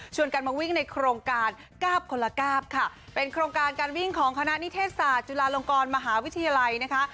กันมาวิ่งในโครงการก้าบคนละกาบค่ะเป็นโครงการการวิ่งของคณะนิเทศศาสตร์จุฬาลงกรมหาวิทยาลัยนะคะ